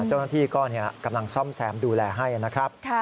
เจ้าหน้าที่ก็กำลังซ่อมแซมดูแลให้นะครับ